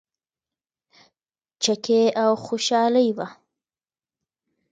چکې او خوشحالي وه.